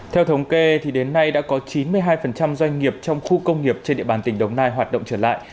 theo thống kê đến nay đã có chín mươi hai doanh nghiệp trong khu công nghiệp trên địa bàn tỉnh đồng nai hoạt động trở lại